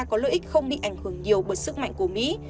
có lợi ích không bị ảnh hưởng nhiều bởi sức mạnh của mỹ